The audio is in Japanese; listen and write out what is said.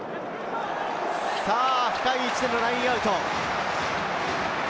近い位置でのラインアウト。